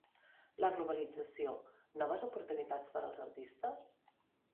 La globalització, noves oportunitats per als artistes?